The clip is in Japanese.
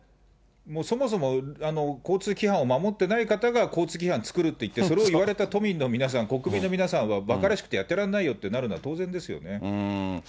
そもそも、交通規範を守っていない方が、交通規範作ると言って、それを言われた都民の皆さん、国民の皆さんはばからしくてやってらんないよとなるのは当然です